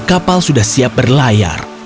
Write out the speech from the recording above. kapal sudah siap berlayar